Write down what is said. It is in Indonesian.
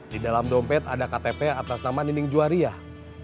di dalam dompet ada ktp atas nama nining juwariah